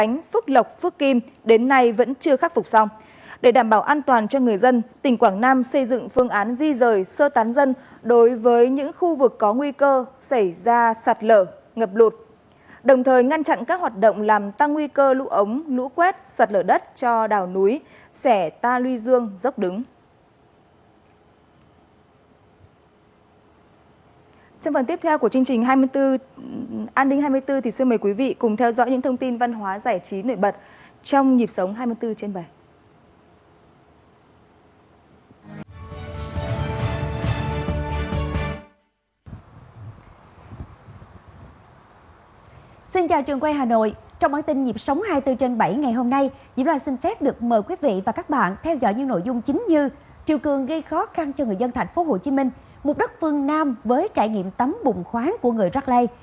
như triều cường gây khó khăn cho người dân tp hcm một đất phương nam với trải nghiệm tấm bùng khoáng của người rắc lây